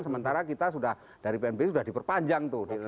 sementara kita sudah dari pnb sudah diperpanjang tuh